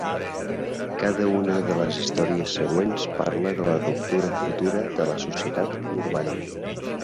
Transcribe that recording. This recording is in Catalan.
Cada una de les històries següents parla de la ruptura futura de la societat urbana.